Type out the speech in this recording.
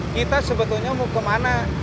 kita sebetulnya mau kemana